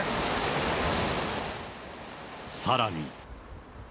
さらに。